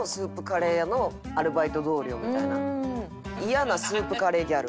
嫌なスープカレーギャル。